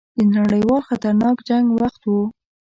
د نړیوال خطرناک جنګ وخت وو.